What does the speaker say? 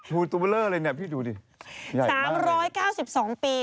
หัวตัวเบลอเลยนี่พี่ดูสิ